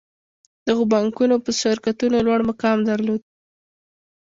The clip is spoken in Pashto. دغو بانکونو په شرکتونو کې لوړ مقام درلود